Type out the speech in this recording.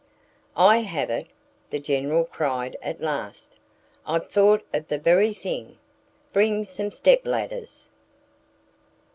"I have it!" the General cried at last. "I've thought of the very thing.... Bring some stepladders!"